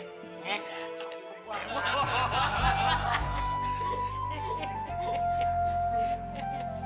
eh kok keperluan